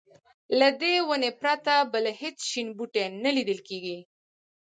له دې ونې پرته بل هېڅ شین بوټی نه لیدل کېږي.